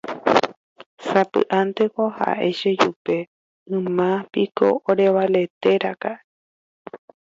Sapy'ánteko ha'e che jupe yma piko orevaleteraka'e.